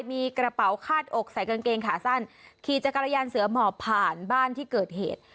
มีกระเป๋าคาดอกใส่กางเกงขาสั้นขี่จักรยานเสือหมอบผ่านบ้านที่เกิดเหตุ